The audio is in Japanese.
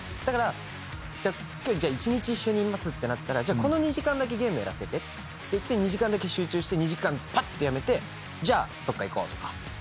だから今日じゃあ一日一緒にいますってなったらこの２時間だけゲームやらせてって言って２時間集中してぱってやめてじゃあどっか行こうとか。